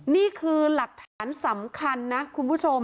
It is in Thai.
นี่คือหลักฐานสำคัญนะคุณผู้ชม